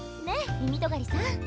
ねっみみとがりさん。